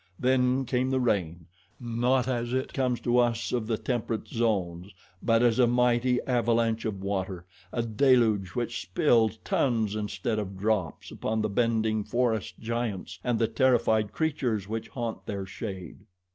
Then came the rain not as it comes to us of the temperate zones, but as a mighty avalanche of water a deluge which spills tons instead of drops upon the bending forest giants and the terrified creatures which haunt their shade.